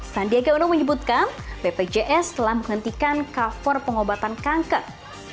sandiaga uno menyebutkan bpjs telah menghentikan cover pengobatan kanker